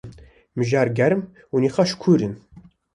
Mijar germ û nîqaş kûr in.